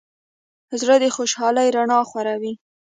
زړه د خوشحالۍ رڼا خوروي.